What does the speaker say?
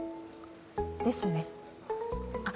ですねあっ